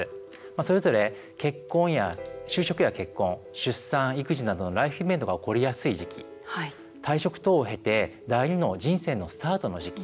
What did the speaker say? それぞれ就職や結婚出産、育児などライフイベントが起こりやすい時期退職等を経て第２の人生のスタートの時期。